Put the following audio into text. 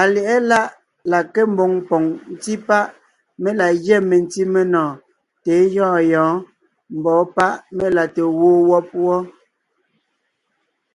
Alyɛ̌ʼɛ láʼ la nke mboŋ poŋ ńtí páʼ mé la gyɛ́ mentí menɔɔn tà é gyɔ̂ɔn yɔ̌ɔn, mbɔ̌ páʼ mé la te gwoon wɔ́b wɔ́.